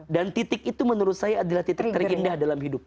dan titik itu menurut saya adalah titik terindah dalam hidup